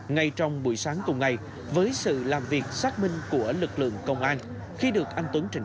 ngay trong buổi sáng cùng ngày với sự làm việc xác minh của lực lượng công an khi được anh tuấn trình